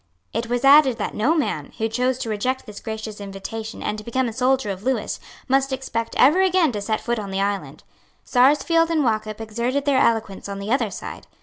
It was added that no man, who chose to reject this gracious invitation and to become a soldier of Lewis, must expect ever again to set foot on the island. Sarsfield and Wauchop exerted their eloquence on the other side.